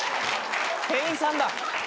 店員さんだ。